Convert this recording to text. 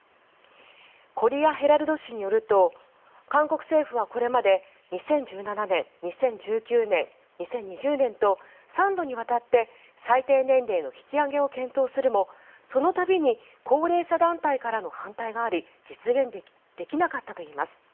コリアヘラルド紙によると韓国政府はこれまで２０１７年、２０１９年２０２０年と３度にわたって最低年齢の引き上げを検討するもその度に高齢者団体からの反対があり実現できなかったといいます。